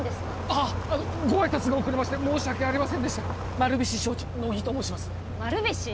あっご挨拶が遅れまして申し訳ありませんでした丸菱商事乃木と申します丸菱！？